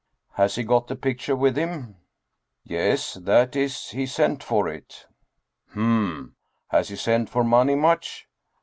" Has he got the picture with him ?"" Yes that is, he sent for it." " Hm ! Has he sent for money, much